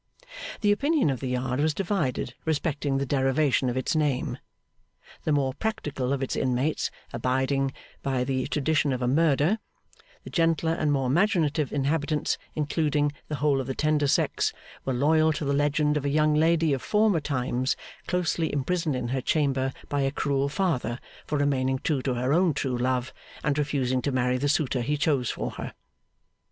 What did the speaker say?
The opinion of the Yard was divided respecting the derivation of its name. The more practical of its inmates abided by the tradition of a murder; the gentler and more imaginative inhabitants, including the whole of the tender sex, were loyal to the legend of a young lady of former times closely imprisoned in her chamber by a cruel father for remaining true to her own true love, and refusing to marry the suitor he chose for her.